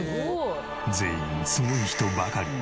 全員すごい人ばかり。